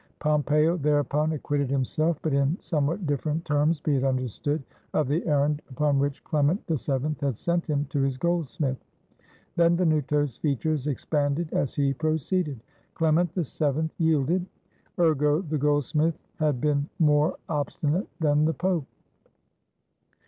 Pompeo thereupon acquitted himself, but in some what different terms, be it understood, of the errand 70 BENVENUTO CELLINI upon which Clement VII had sent him to his goldsmith. Benvenuto's features expanded as he proceeded. Clem ent VII yielded; ergo the goldsmith had been more obstinate than the Pope.